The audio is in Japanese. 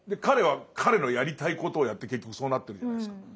彼は彼のやりたいことをやって結局そうなってるじゃないですか。